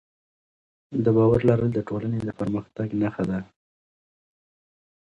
د باور لرل د ټولنې د پرمختګ نښه ده.